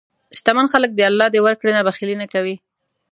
شتمن خلک د الله د ورکړې نه بخیلي نه کوي.